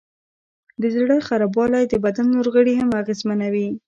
د زړه خرابوالی د بدن نور غړي هم اغېزمنوي.